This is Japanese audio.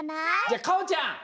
じゃあかおちゃん！